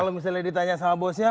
kalau misalnya ditanya sama bosnya